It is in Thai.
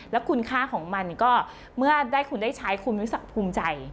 แล้วคุณค่าของมันก็เมื่อได้คุณได้ใช้คุณรู้สึกภูมิใจ